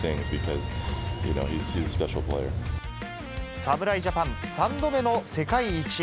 侍ジャパン３度目の世界一へ。